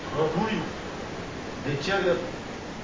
でっちあげだと？